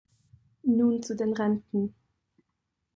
Nun zu den Renten.